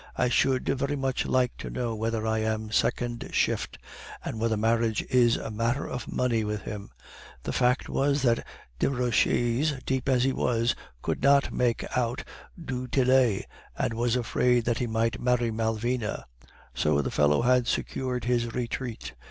I should very much like to know whether I am a second shift, and whether marriage is a matter of money with him.' The fact was that Desroches, deep as he was, could not make out du Tillet, and was afraid that he might marry Malvina. So the fellow had secured his retreat.